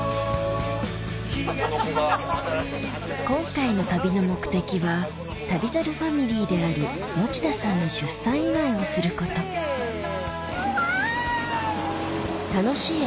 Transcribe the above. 今回の旅の目的は旅猿ファミリーである持田さんの出産祝いをすること怖い！